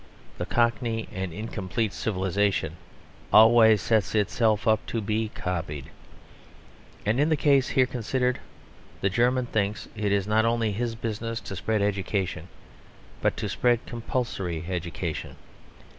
The cockney and incomplete civilisation always sets itself up to be copied. And in the case here considered, the German thinks that it is not only his business to spread education, but to spread compulsory education.